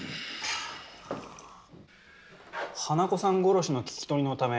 花子さん殺しの聞き取りのため